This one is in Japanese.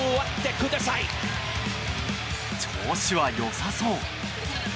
調子は良さそう。